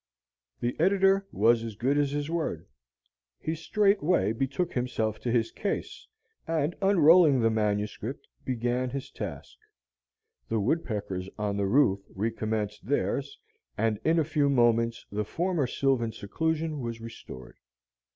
The editor was as good as his word. He straight way betook himself to his case, and, unrolling the manuscript, began his task. The woodpeckers on the roof recommenced theirs, and in a few moments the former sylvan seclusion was restored.